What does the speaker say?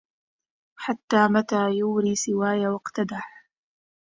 حتى متى يوري سواي وأقتدح